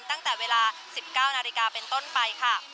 ตั้งแต่เวลา๑๙นาฬิกาเป็นต้นไปค่ะ